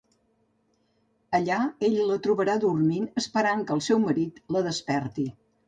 Allà, ell la trobarà dormint, esperant que el seu marit la desperti.